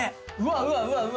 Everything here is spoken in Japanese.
うわうわうわ。